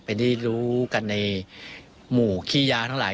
เป็นที่รู้กันในหมู่ขี้ยาทั้งหลาย